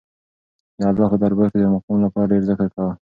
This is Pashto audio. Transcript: د الله په دربار کې د مقام لپاره ډېر ذکر کوه.